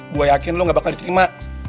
gue yakin lo gak bakal diterima